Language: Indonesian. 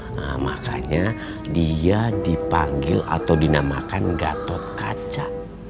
nah makanya dia dipanggil atau dinamakan gatot kaca